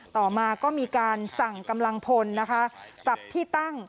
ต่อมาก็มีการสั่งกำลังพลนะคะปรับที่ตั้ง